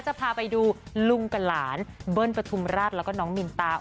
จะพาไปดูลุงกับหลานเบิ้ลปฐุมราชแล้วก็น้องมินตา